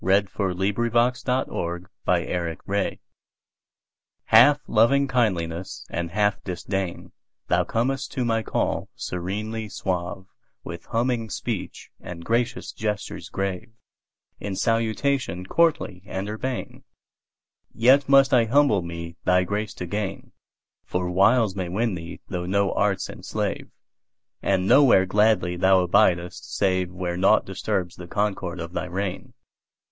1860 To My Cat HALF loving kindliness and half disdain, Thou comest to my call serenely suave, With humming speech and gracious gestures grave, In salutation courtly and urbane; Yet must I humble me thy grace to gain, For wiles may win thee though no arts enslave, And nowhere gladly thou abidest saveWhere naught disturbs the concord of thy reign.